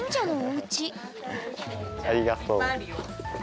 あっありがとう。